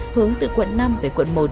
hướng từ quận năm về quận một